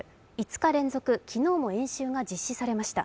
５日連続、昨日も演習が実施されました。